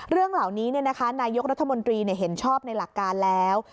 เรื่องเหล่านี้นายกรัฐมนตรีเห็นชอบในหลักการแล้ว